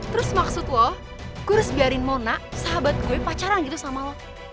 terus maksud lo kurus biarin mona sahabat gue pacaran gitu sama lo